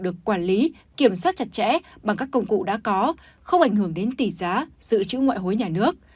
được quản lý kiểm soát chặt chẽ bằng các công cụ đã có không ảnh hưởng đến tỷ giá dự trữ ngoại hối nhà nước